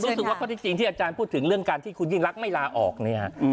รู้สึกว่าข้อที่จริงที่อาจารย์พูดถึงเรื่องการที่คุณยิ่งรักไม่ลาออกเนี่ยฮะ